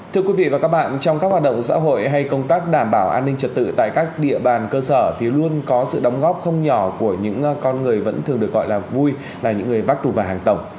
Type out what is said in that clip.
thưa quý vị và các bạn trong các hoạt động xã hội hay công tác đảm bảo an ninh trật tự tại các địa bàn cơ sở thì luôn có sự đóng góp không nhỏ của những con người vẫn thường được gọi là vui là những người vác tù và hàng tổng